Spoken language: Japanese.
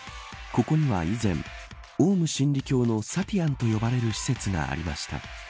ここには以前オウム真理教のサティアンと呼ばれる施設がありました。